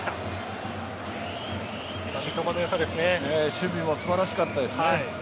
守備も素晴らしかったですね。